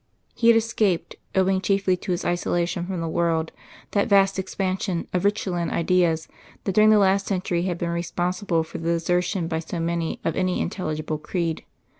He had escaped, owing chiefly to his isolation from the world, that vast expansion of Ritschlian ideas that during the last century had been responsible for the desertion by so many of any intelligible creed.